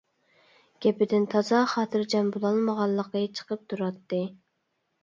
گېپىدىن تازا خاتىرجەم بولالمىغانلىقى چىقىپ تۇراتتى.